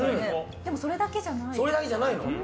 でもそれだけじゃない。